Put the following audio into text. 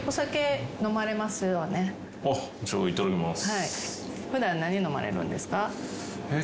じゃあいただきます。